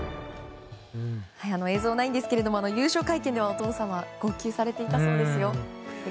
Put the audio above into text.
映像ないんですけれども優勝会見ではお父様号泣されていたそうですよ。